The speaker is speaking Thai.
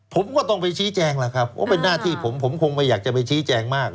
ผมก็ต้องไปชี้แจงล่ะครับว่าเป็นหน้าที่ผมผมคงไม่อยากจะไปชี้แจงมาก